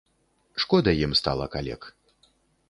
Шкода ім стала калек.